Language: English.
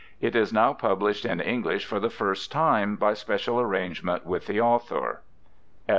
It is now published in English for the first time, by special arrangement with the author.